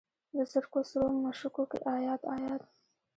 د زرکو سرو مشوکو کې ایات، ایات